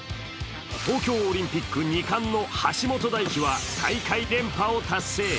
東京オリンピック２冠の橋本大輝は大会連覇を達成。